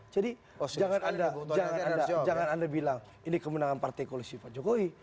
jadi jangan anda bilang ini kemenangan partai koalisi pak jokowi